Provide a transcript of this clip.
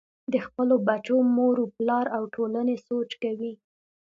د خپلو بچو مور و پلار او ټولنې سوچ کوئ -